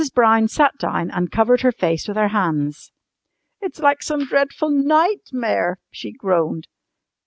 Brown sat down and covered her face with her hands. "It's like some dreadful nightmare!" she groaned.